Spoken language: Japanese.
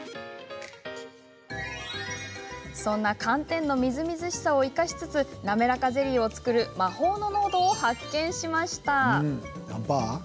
そんな寒天のみずみずしさを生かしつつ、なめらかゼリーを作る魔法の濃度を発見しました。